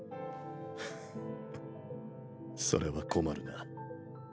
ハハそれは困るな。